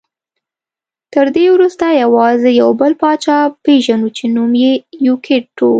تر دې وروسته یوازې یو بل پاچا پېژنو چې نوم یې یوکیت ټو و